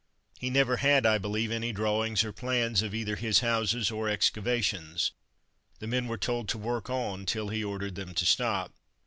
He never had, I believe, any drawings or plans of either his houses or excavations. The men were told to work on till he ordered them to stop.